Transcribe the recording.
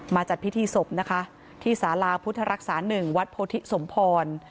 จัดพิธีศพนะคะที่สาราพุทธรักษา๑วัดโพธิสมพร